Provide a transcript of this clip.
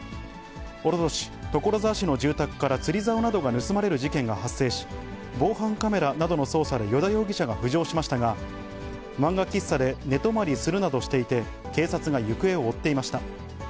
おととし、所沢市の住宅から釣りざおなどが盗まれる事件が発生し、防犯カメラなどの捜査で依田容疑者が浮上しましたが、漫画喫茶で寝泊まりするなどしていて警察が行方を追っていました。